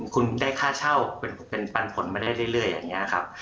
คุณได้ค่าเช่าเป็นปันผลมาได้เรื่อยอย่างนี้ครับ